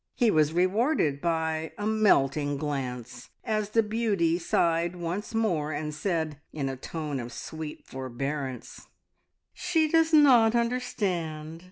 He was rewarded by a melting glance, as the beauty sighed once more, and said, in a tone of sweet forbearance "She does not understand!